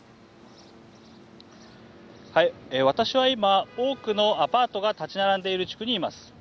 私は今、多くのアパートが立ち並んでいる地区にいます。